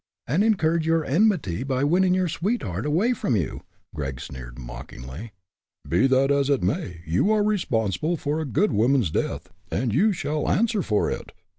"And incurred your enmity by winning your sweetheart away from you!" Gregg sneered, mockingly. "Be that as it may, you are responsible for a good woman's death, and you shall answer for it.